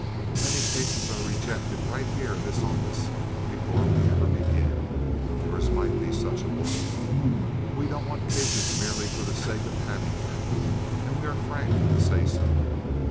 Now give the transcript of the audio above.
Many cases are rejected right here in this office before we ever begin. Yours might be such a one. We don't want cases merely for the sake of having them, and we are frank to say so.